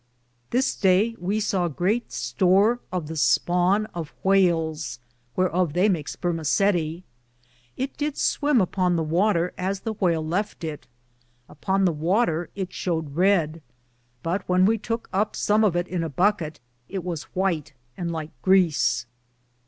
This day we saw greate store of the spane (spawn) of whales, whearof they make spermacetie ; it did swym upon the water as the whale lefte it : upon the water it showed reed ; but when we touke upe som of it in a buckete, it was whyte, and like grease.